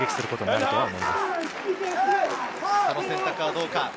その選択はどうか？